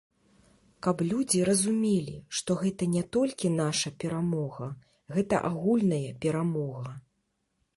Каб людзі разумелі, што гэта не толькі наша перамога, гэта агульная перамога.